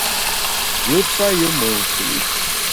Yù payù me mfù’i.